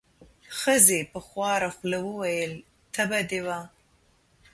ښځې په خواره خوله وویل: تبه دې وه.